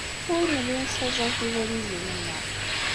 Ur nelli nessaẓay tibalizin-nneɣ.